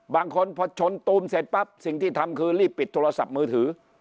บางคนพอชนตูมเสร็จปั๊บสิ่งที่ทำคือรีบปิดโทรศัพท์มือถือ